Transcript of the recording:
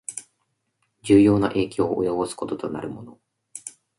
重要な影響を及ぼすこととなるもの